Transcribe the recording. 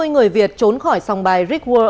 bốn mươi người việt trốn khỏi sòng bài rick world